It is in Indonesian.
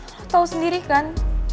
lo tau sendiri kan